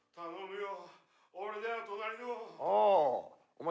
お前